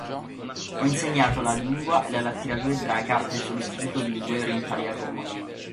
Ha insegnato lingua e letteratura ebraica presso l'Istituto di Lingue Orientali a Roma.